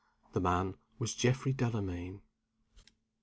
The man was Geoffrey Delamayn.